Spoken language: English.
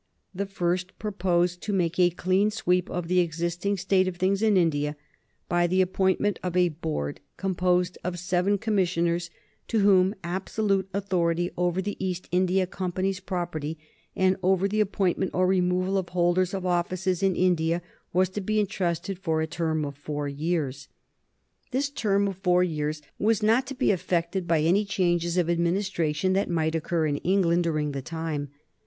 The first proposed to make a clean sweep of the existing state of things in India by the appointment of a Board composed of seven commissioners to whom absolute authority over the East India Company's property, and over the appointment or removal of holders of offices in India, was to be intrusted for a term of four years. This term of four years was not to be affected by any changes of administration that might occur in England during the time.